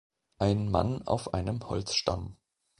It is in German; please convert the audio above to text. Ein Mann auf einem Holzstamm.